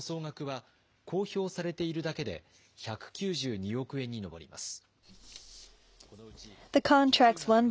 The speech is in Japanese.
その総額は、公表されているだけで１９２億円に上ります。